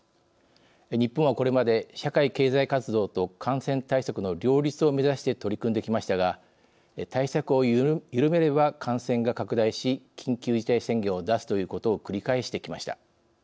日本はこれまで社会経済活動と感染対策の両立を目指して取り組んできましたが対策を緩めれば、感染が拡大し緊急事態宣言を出すということを繰り返してきました。